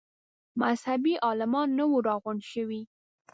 مذهبي عالمان نه وه راغونډ شوي.